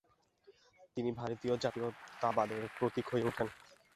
তিনি ভারতীয় জাতীয়তাবাদের প্রতীক হয়ে ওঠেন।